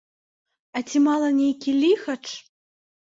А ці мала нейкі ліхач?